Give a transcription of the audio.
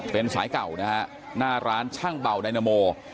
เป็นสายเก่านะฮะหน้าร้านช่างเบาไดนาโม